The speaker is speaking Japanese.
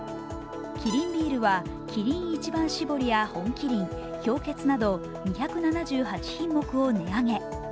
キリンビールはキリン一番搾りや本麒麟、氷結など２７８品目を値上げ。